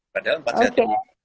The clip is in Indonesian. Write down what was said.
padahal empat sehat lima sempurna